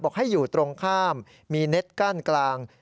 ให้อยู่ตรงข้ามมีเน็ตกั้นกลาง